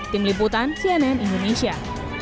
tim liputan cnn indonesia